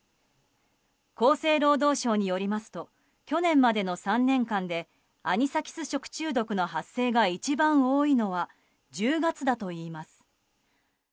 厚生労働省によりますと去年までの３年間でアニサキス食中毒の発生が一番多いのは１０月だといいます。